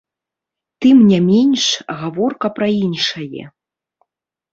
Тым не менш, гаворка пра іншае.